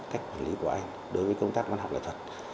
cách quản lý của anh đối với công tác văn học nghệ thuật